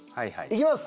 いきます！